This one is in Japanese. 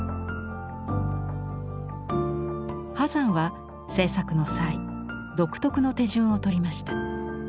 波山は制作の際独特の手順をとりました。